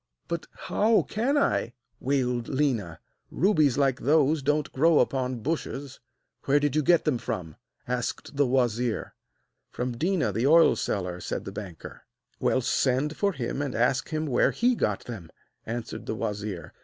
'But how can I?' wailed Léna; 'rubies like those don't grow upon bushes!' 'Where did you get them from?' asked the wazir. 'From Déna, the oil seller,' said the banker. 'Well, send for him and ask him where he got them,' answered the wazir.